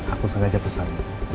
aku sengaja pesan